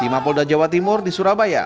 di mapolda jawa timur di surabaya